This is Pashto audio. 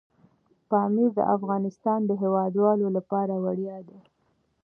پامیر د افغانستان د هیوادوالو لپاره ویاړ دی.